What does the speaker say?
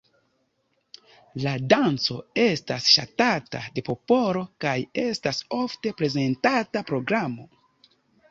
La danco estas ŝatata de popolo, kaj estas ofte prezentata programo.